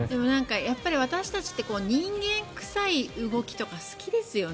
やっぱり私たちって人間臭い動きとか好きですよね。